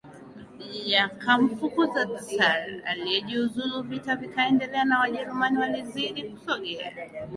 yakamfukuza Tsar aliyejiuzulu Vita vikaendelea na Wajerumani walizidi kusogea